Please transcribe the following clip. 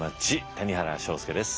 谷原章介です。